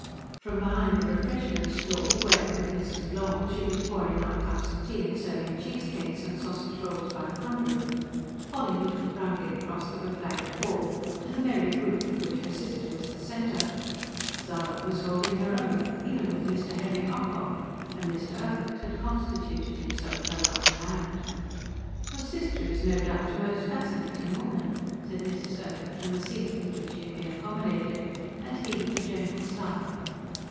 From behind the refreshment stall where, with Mrs. Long, she was pouring out cups of tea and serving cheesecakes and sausage rolls by the hundred, Polly looked proudly across the beflagged hall, to the merry group of which her sister was the centre. Zara was holding her own, even with Mr. Henry Ocock; and Mr. Urquhart had constituted himself her right hand. "Your sister is no doubt a most fascinating woman," said Mrs. Urquhart from the seat with which she had been accommodated; and heaved a gentle sigh.